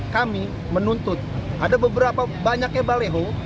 kami menuntut ada beberapa banyaknya baleho